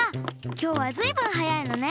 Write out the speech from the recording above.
きょうはずいぶんはやいのね。